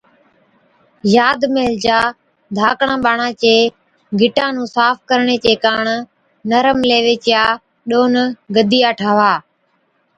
ياد ميهلجا، ڌاڪڙان ٻاڙان چي گِٽان نُون صاف ڪرڻي چي ڪاڻ نرم ليوي ڏون گدِيا ٺاهوا